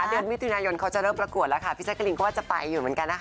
เดือนมิถุนายนเขาจะเริ่มประกวดแล้วค่ะพี่แจ๊กรีนก็จะไปอยู่เหมือนกันนะคะ